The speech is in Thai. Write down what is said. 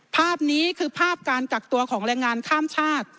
ภาพนี้คือภาพการกักตัวของแรงงานข้ามชาติ